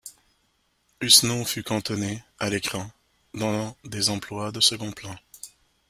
Hussenot fut cantonné, à l’écran, dans des emplois de second plan.